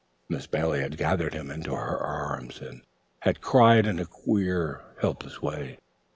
Miss Bailey had gathered him into her arms and had cried in a queer helpless way.